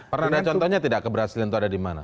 pernah ada contohnya tidak keberhasilan itu ada di mana